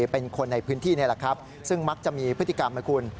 เป็นคนในพื้นที่นี่แหละครับซึ่งมักจะมีพฤติกรรมไหมคุณ